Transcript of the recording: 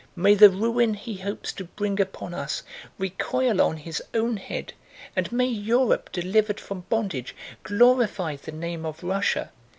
May the ruin he hopes to bring upon us recoil on his own head, and may Europe delivered from bondage glorify the name of Russia!"